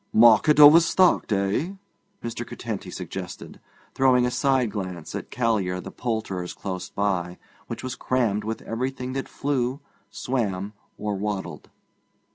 'Market overstocked, eh?' Mr. Curtenty suggested, throwing a side glance at Callear the poulterer's close by, which was crammed with everything that flew, swam, or waddled.